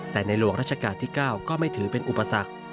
แต่ในหลวงราชการที่๙ก็ไม่ถือเป็นอุปสรรค